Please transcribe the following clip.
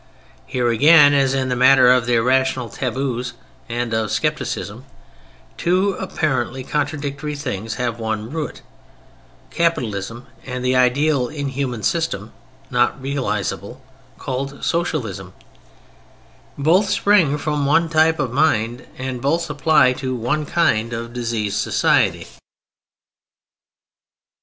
Here again, as in the matter of the irrational tabus and of skepticism, two apparently contradictory things have one root: Capitalism, and the ideal inhuman system (not realizable) called Socialism, both spring from one type of mind and both apply to one kind of diseased society.